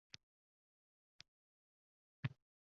- Mo'ynali shubalarning narxi ham shunga yarasha bo'ladi..